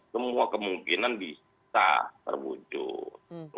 semua kemungkinan bisa terwujud